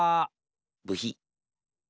ブヒ。